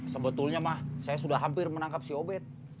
sebetulnya mah saya sudah hampir menangkap si obed